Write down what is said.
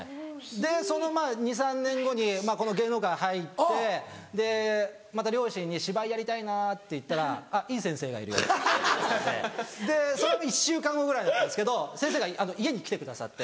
でその２３年後にこの芸能界入ってまた両親に芝居やりたいなって言ったら「いい先生がいるよ」ということででそれは１週間後ぐらいだったんですけど先生が家に来てくださって。